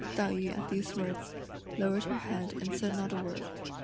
Tai yü at these words, lowered her head and said not a word.